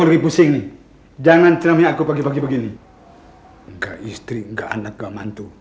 pak prayogyo mau bertemu dengan bapak